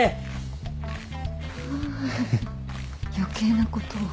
ああ余計なことを。